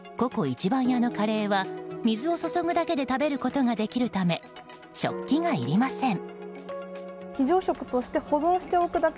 番屋のカレーは水を注ぐだけで食べることができるため食器がいりません。